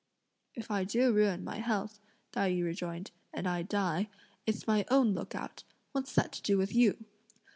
"If I do ruin my health," Tai yü rejoined, "and I die, it's my own lookout! what's that to do with you?"